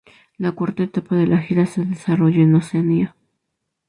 La cuarta etapa de la gira se desarrolló en Oceanía.